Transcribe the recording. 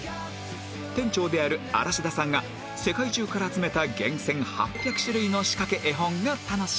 店長である嵐田さんが世界中から集めた厳選８００種類のしかけ絵本が楽しめます